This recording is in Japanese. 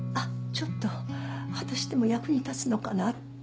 ちょっと私でも役に立つのかな？